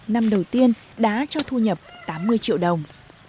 năm đầu tiên đã cho thu nhập tám mươi triệu đồng